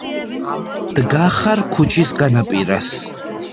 დგახარ ქუჩის განაპირას,